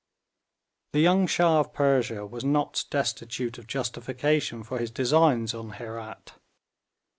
The young Shah of Persia was not destitute of justification for his designs on Herat.